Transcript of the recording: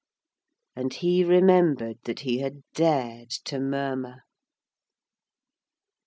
And he remembered that he had dared to murmur!